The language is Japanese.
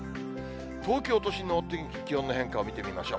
東京都心のお天気、気温の変化を見てみましょう。